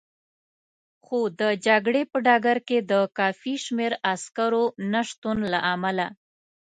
خو د جګړې په ډګر کې د کافي شمېر عسکرو نه شتون له امله.